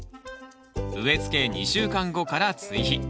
植えつけ２週間後から追肥。